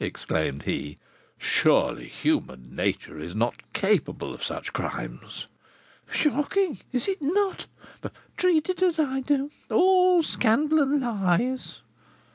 exclaimed he. "Surely human nature is not capable of such crimes!" "Shocking! Is it not? But treat it as I do, all scandal and lies.